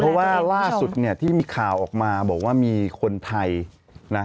เพราะว่าล่าสุดเนี่ยที่มีข่าวออกมาบอกว่ามีคนไทยนะ